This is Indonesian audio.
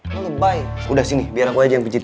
lo lebay udah sini biar aku aja yang pencit